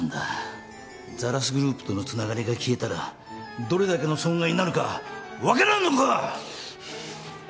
ザラスグループとのつながりが消えたらどれだけの損害になるか分からんのか！